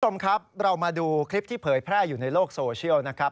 คุณผู้ชมครับเรามาดูคลิปที่เผยแพร่อยู่ในโลกโซเชียลนะครับ